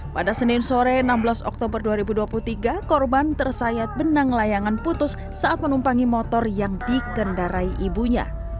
pada senin sore enam belas oktober dua ribu dua puluh tiga korban tersayat benang layangan putus saat menumpangi motor yang dikendarai ibunya